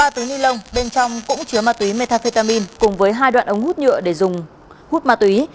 ba túi nilon bên trong cũng chứa ma túy metafetamin cùng với hai đoạn ống hút nhựa để dùng hút ma túy